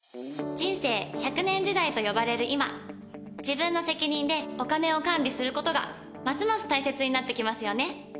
人生１００年時代と呼ばれる今自分の責任でお金を管理することがますます大切になってきますよね。